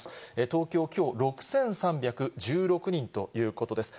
東京、きょう６３１６人ということです。